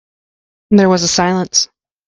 There was a silence.